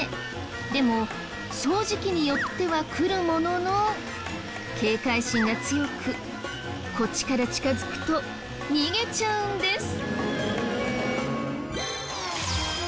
でも掃除機に寄っては来るものの警戒心が強くこっちから近づくと逃げちゃうんです。